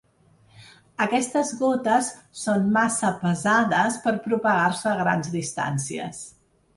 Aquestes gotes són massa pesades per propagar-se a grans distàncies.